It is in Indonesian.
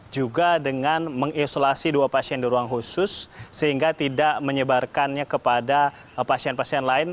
juga dengan mengisolasi dua pasien di ruang khusus sehingga tidak menyebarkannya kepada pasien pasien lain